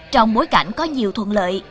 trong bối cảnh có nhiều thuận lợi